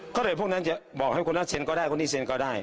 ก็เลยพวกนั้นจะบอกให้คนนั้นเซ็นก็ได้คนนี้เซ็นก็ได้